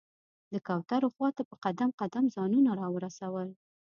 د کوترو خواته په قدم قدم ځانونه راورسول.